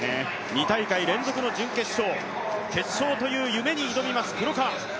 ２大会連続の準決勝決勝という夢に挑みます黒川。